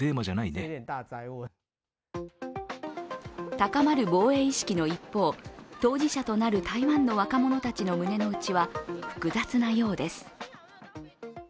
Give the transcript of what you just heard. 高まる防衛意識の一方、当事者となる台湾の若者たちの胸のうちは複雑なようです。